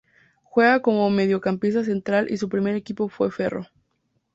Juega como mediocampista central y su primer equipo fue Ferro.